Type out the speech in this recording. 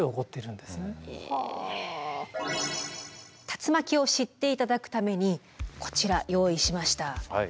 竜巻を知っていただくためにこちら用意しました。